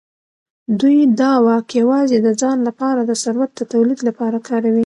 دوی دا واک یوازې د ځان لپاره د ثروت د تولید لپاره کاروي.